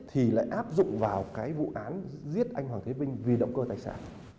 thì lại áp dụng vào cái vụ án giết anh hoàng thế vinh vì động cơ tài sản